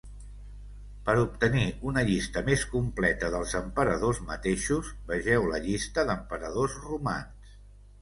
Per obtenir una llista més completa dels emperadors mateixos, vegeu la llista d'emperadors romans.